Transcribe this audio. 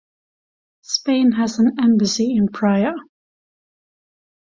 Spain has an embassy in Praia.